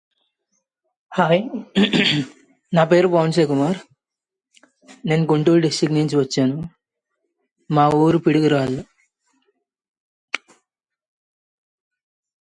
Chan and Koo's partnership ended when Koo won the title with his new partner.